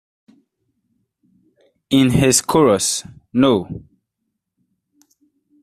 In his "Chôros No.